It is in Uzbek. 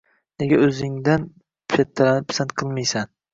Nega o‘zingdan kattalarni pisand qilmiysan?